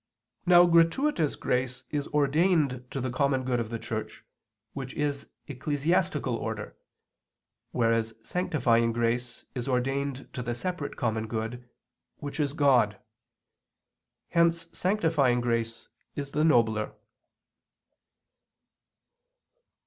Now gratuitous grace is ordained to the common good of the Church, which is ecclesiastical order, whereas sanctifying grace is ordained to the separate common good, which is God. Hence sanctifying grace is the nobler.